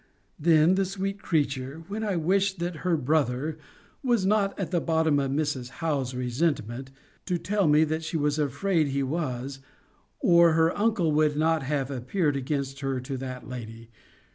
Then the sweet creature, when I wished that her brother was not at the bottom of Mrs. Howe's resentment, to tell me, that she was afraid he was, or her uncle would not have appeared against her to that lady!